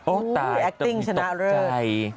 โอ้ตายต้องมีตกใจ